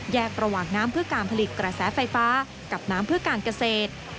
ระหว่างน้ำเพื่อการผลิตกระแสไฟฟ้ากับน้ำเพื่อการเกษตร